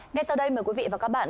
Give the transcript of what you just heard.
ngay sau đây mời quý vị và các bạn